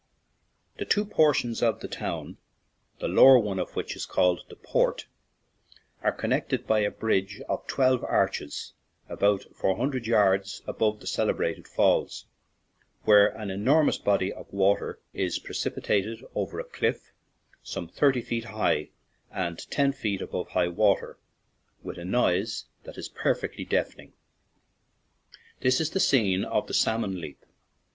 The two portions of the town, the lower one of which is called the Port, are con nected by a bridge of twelve arches about 57 ON AN IRISH JAUNTING CAR four hundred yards above the celebrated falls, where an enormous body of water is precipitated over a cliff some thirty feet high and ten feet above high water, with a noise that is perfectly deafening. This is the scene of the "salmon leap."